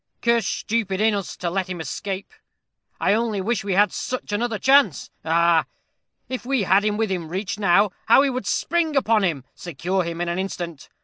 Cursed stupid in us to let him escape. I only wish we had such another chance. Ah, if we had him within reach now, how we would spring upon him secure him in an instant.